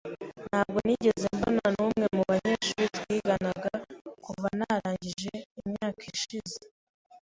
Ntabwo nigeze mbona numwe mubanyeshuri twiganaga kuva narangije imyaka ishize.